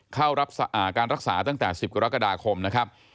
เข้ารับการรักษาตั้งแต่๑๐กรกฎาคมนะครับ